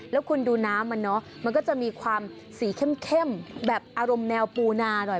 แล้วคุณดูน้ำมันเนอะมันก็จะมีความสีเข้มแบบอารมณ์แนวปูนาหน่อย